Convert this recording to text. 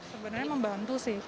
sebenarnya membantu sih